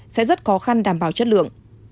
sẽ rất khó khăn đảm bảo chất lượng